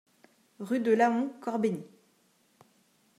Rue de Laon, Corbeny